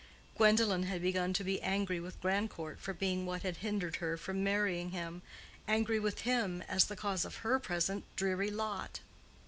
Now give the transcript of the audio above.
Gwendolen had begun to be angry with Grandcourt for being what had hindered her from marrying him, angry with him as the cause of her present dreary lot.